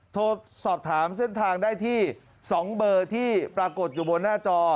โทรสอบถามเส้นทางได้ที่๒เบอร์ที่ปรากฏอยู่บนหน้าจอ